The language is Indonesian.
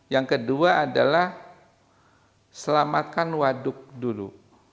yang kedua adalah selamatkan waduk dulu